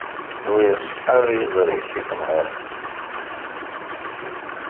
Ur iṣeḥḥa ara yiẓri-k i tenherk.